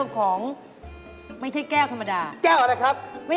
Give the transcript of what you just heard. แก้วมาตินี่ครับผม